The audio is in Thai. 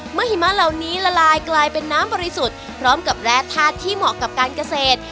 หิมะเหล่านี้ละลายกลายเป็นน้ำบริสุทธิ์พร้อมกับแร่ธาตุที่เหมาะกับการเกษตร